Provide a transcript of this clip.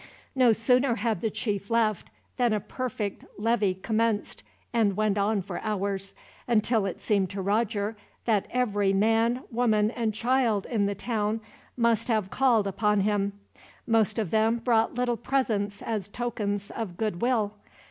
No sooner had the chief left than a perfect levee commenced, and went on for hours; until it seemed to Roger that every man, woman, and child in the town must have called upon him. Most of them brought little presents as tokens of goodwill.